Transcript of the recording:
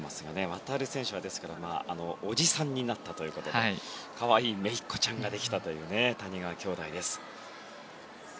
航選手はおじさんになったということで可愛い姪っ子ちゃんができたという谷川兄弟です。